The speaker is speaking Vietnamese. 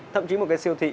thậm chí một cái siêu thị